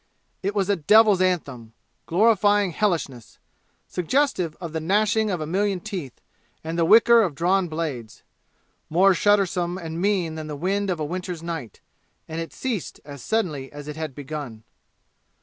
It was a devils' anthem, glorifying hellishness suggestive of the gnashing of a million teeth, and the whicker of drawn blades more shuddersome and mean than the wind of a winter's night. And it ceased as suddenly as it had begun.